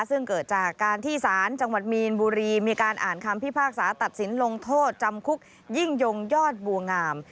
ซึ่งเกิดจากการที่ศาลจังหวัดมีนบุรีมีการอ่านคำพิพากษาตัดสินลงโทษจำคุกยิ่งยงยอดบัวงาม